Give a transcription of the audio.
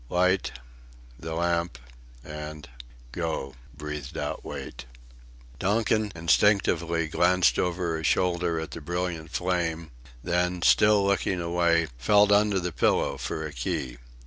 "Light... the lamp... and... go," breathed out Wait. Donkin, instinctively, glanced over his shoulder at the brilliant flame; then, still looking away, felt under the pillow for a key.